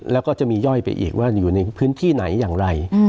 แล้วก็จะมีย่อยไปอีกว่าอยู่ในพื้นที่ไหนอย่างไร